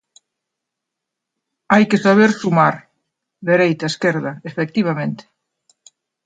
Hai que saber sumar: dereita, esquerda, efectivamente.